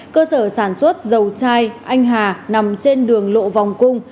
cơ sở sản xuất dầu chai anh hà nằm trên đường lộ vòng cung